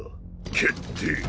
決定！